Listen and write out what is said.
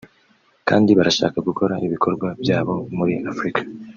kandi barashaka gukora ibikorwa byabo muri Afurika